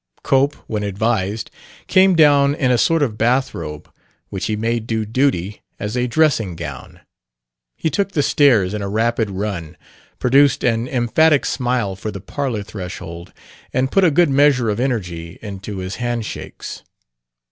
Cope, when advised, came down in a sort of bathrobe which he made do duty as a dressing gown. He took the stairs in a rapid run, produced an emphatic smile for the parlor threshold, and put a good measure of energy into his handshakes.